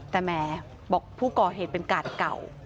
แต่แหมบอกผู้ก่อเหตุเป็นกาดเก่า